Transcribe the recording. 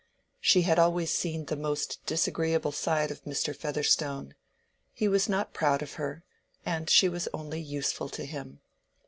She had always seen the most disagreeable side of Mr. Featherstone: he was not proud of her, and she was only useful to him.